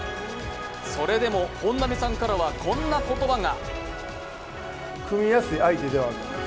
それでも本並さんからはこんな言葉が。